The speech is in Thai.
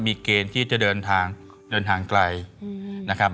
มีเกณฑ์ที่จะเดินทางใกล้นะครับ